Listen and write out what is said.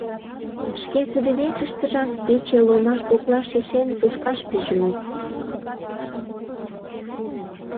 Шке кудвечыштыжак, пече ломаш коклаш ишен, тошкаш пижыныт.